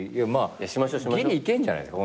ギリいけんじゃないですか？